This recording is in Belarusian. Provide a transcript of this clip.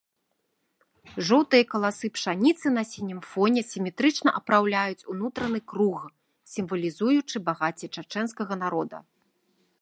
Жоўтыя каласы пшаніцы на сінім фоне сіметрычна апраўляюць унутраны круг, сімвалізуючы багацце чачэнскага народа.